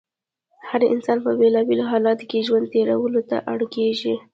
هر انسان په بېلا بېلو حالاتو کې ژوند تېرولو ته اړ کېږي.